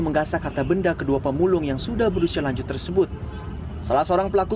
menggasak harta benda kedua pemulung yang sudah berusia lanjut tersebut salah seorang pelaku